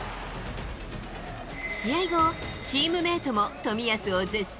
試合後、チームメートも冨安を絶賛。